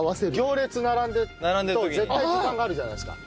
行列に並んでいると絶対時間があるじゃないですか。